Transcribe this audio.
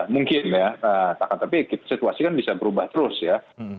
mungkin ya tapi situasi kan bisa berubah terus ya